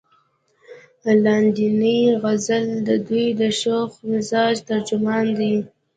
لاندينے غزل د دوي د شوخ مزاج ترجمان دے ۔